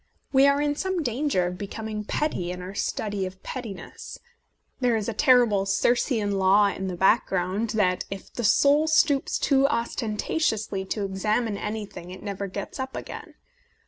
We are in some danger of becoming petty in our study of pettiness ; there is a terrible Cir cean law in the background that if the soul stoops too ostentatiously to examine any thing it never gets up again.